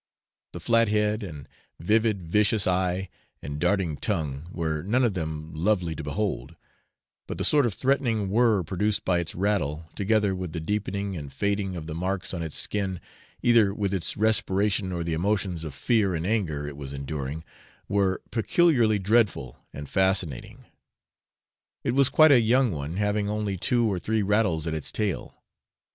The flat head, and vivid vicious eye, and darting tongue, were none of them lovely to behold; but the sort of threatening whirr produced by its rattle, together with the deepening and fading of the marks on its skin, either with its respiration or the emotions of fear and anger it was enduring, were peculiarly dreadful and fascinating. It was quite a young one, having only two or three rattles in its tail.